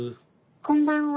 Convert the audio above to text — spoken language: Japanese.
こんばんは。